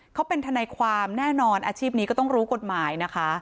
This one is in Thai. เขาเป็นทนายความแน่นอนอาชีพนี้ก็ต้องรู้กฎหมายนะคะ